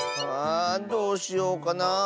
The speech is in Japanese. あどうしようかなあ。